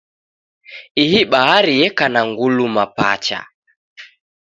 Ihi bahari yeka na nguluma pacha.